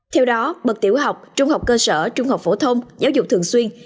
theo đó bậc tiểu học trung học cơ sở trung học phổ thông giáo dục thường xuyên